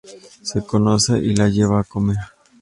Se conocen y la lleva a comer.